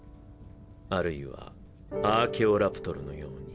あるいはアーケオラプトルのように。